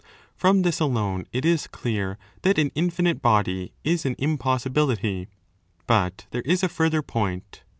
From this alone it is clear that an infinite body is an impossibility ; but there is a further point.